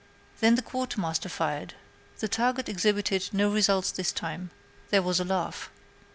Then the Quartermaster fired. The target exhibited no result this time. There was a laugh.